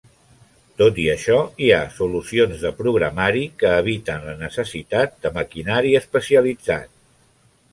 Tot i això, hi ha solucions de programari que eviten la necessitat de maquinari especialitzat.